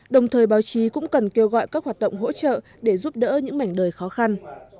đồng thời báo chí cũng cần kêu gọi các hoạt động hỗ trợ để giúp đỡ những mảnh đời khó khăn